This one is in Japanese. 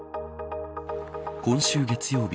今週月曜日